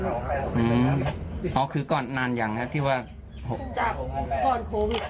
เราเคยตายแล้วฟื้น